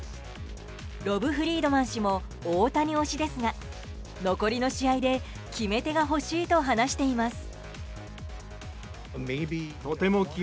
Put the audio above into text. ロブ・フリードマン氏も大谷推しですが残りの試合で決め手が欲しいと話しています。